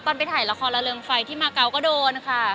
ไปถ่ายละครระเริงไฟที่มาเกาะก็โดนค่ะ